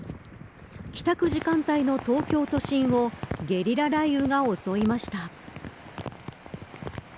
帰宅時間帯の東京都心をゲリラ雷雨が襲いました。